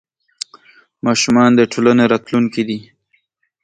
ماشومان د ټولنې راتلونکې دي.